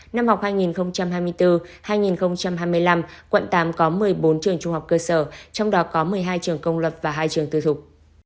năm học hai nghìn hai mươi bốn hai nghìn hai mươi năm quận tám có một mươi bốn trường trung học cơ sở trong đó có một mươi hai trường công lập và hai trường tư thục